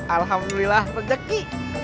alhamdulillah pak jacky